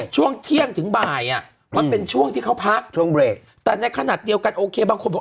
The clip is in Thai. ช่วงเที่ยงถึงบ่ายอ่ะมันเป็นช่วงที่เขาพักช่วงเบรกแต่ในขณะเดียวกันโอเคบางคนบอก